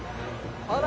あら。